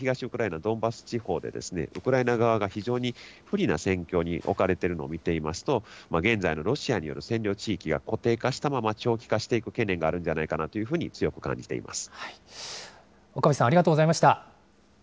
ただ、一方、現在、東ウクライナ・ドンバス地方で、ウクライナ側が非常に不利な戦況に置かれているのを見ていますと、現在のロシアによる占領地域が固定化したまま長期化していく懸念があるんじゃないかなというふうに強く感じています。